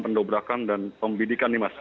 pendobakan dan pembidikan ini mas